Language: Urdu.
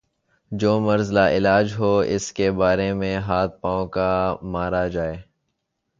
جو مرض لا علاج ہو اس کے بارے میں ہاتھ پاؤں کیا مارا جائے۔